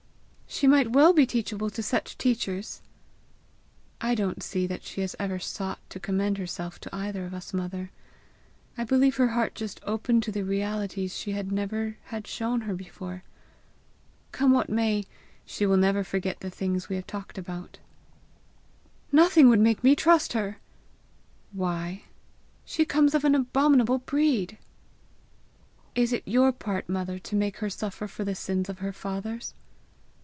"She might well be teachable to such teachers!" "I don't see that she has ever sought to commend herself to either of us, mother. I believe her heart just opened to the realities she had never had shown her before. Come what may, she will never forget the things we have talked about." "Nothing would make me trust her!" "Why?" "She comes of an' abominable breed." "Is it your part, mother, to make her suffer for the sins of her fathers?"